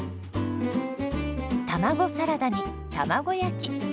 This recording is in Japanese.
卵サラダに卵焼き。